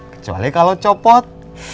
kecuali kalau copot